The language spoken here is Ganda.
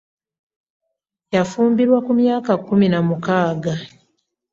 Yafumbirwa ku myaka kumi na mukaaga.